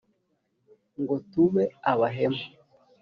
ngo tube abahemu